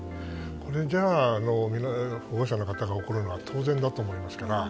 これじゃ、保護者の方が怒るのは当然だと思いますから。